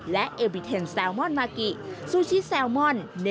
และเอบิเทนแซลมอนมากิซูชิแซลมอน